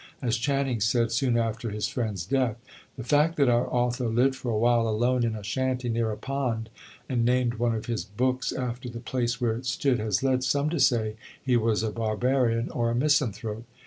As Channing said, soon after his friend's death, "The fact that our author lived for a while alone in a shanty, near a pond, and named one of his books after the place where it stood, has led some to say he was a barbarian or a misanthrope.